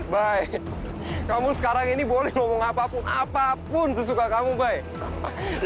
bayu kamu sekarang ini boleh ngomong apa pun sesuka kamu bayu